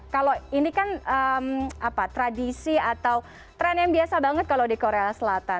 kalau ini kan tradisi atau tren yang biasa banget kalau di korea selatan